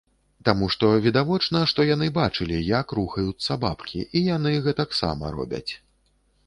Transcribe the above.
Таму што відавочна, што яны бачылі, як рухаюцца бабкі, і яны гэтаксама робяць.